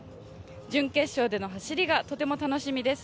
準決勝での走りがとても楽しみです。